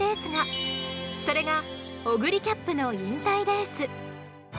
それがオグリキャップの引退レース。